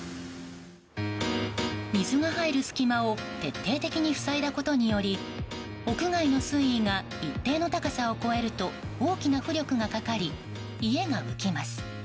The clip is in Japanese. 水が入る隙間を徹底的に塞いだことにより屋外の水位が一定の高さを超えると大きな浮力がかかり家が浮きます。